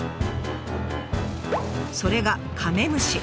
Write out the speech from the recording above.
それがカメムシ。